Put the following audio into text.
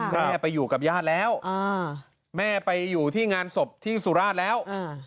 แม่ไปอยู่กับญาติแล้วแม่ไปอยู่ที่งานศพที่สุราชแล้ว